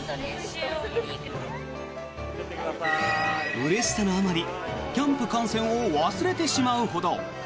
うれしさのあまりキャンプ観戦を忘れてしまうほど。